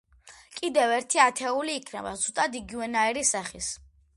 კიდევ ერთი ათეული იქნება ზუსტად იგივენაირი სახის.